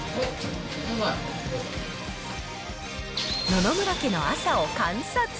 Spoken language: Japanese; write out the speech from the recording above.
野々村家の朝を観察。